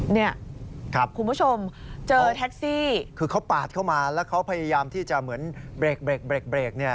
คุณผู้ชมเจอแท็กซี่คือเขาปาดเข้ามาแล้วเขาพยายามที่จะเหมือนเบรกเนี่ย